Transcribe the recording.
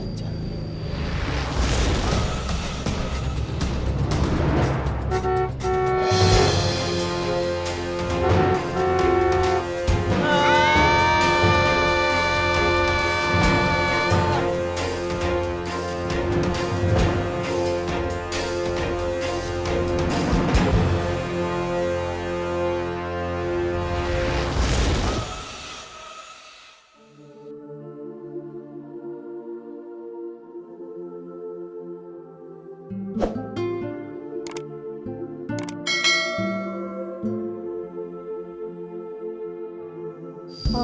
kecelakaan waktu bapak bapak bapak